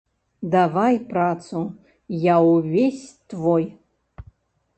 Давай працу, я ўвесь твой.